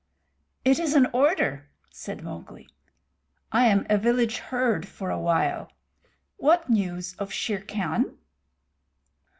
"It is an order," said Mowgli. "I am a village herd for a while. What news of Shere Khan?"